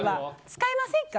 使いませんか？